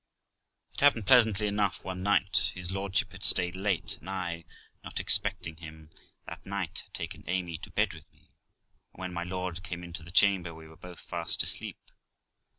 It happened pleasantly enough one night, his lordship had stayed late, and I, not expecting him that night, had taken Amy to bed with me, and when my lord came into the chamber we were both fast asleep.